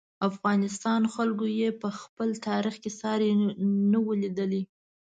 افغانستان خلکو یې په خپل تاریخ کې ساری نه و لیدلی.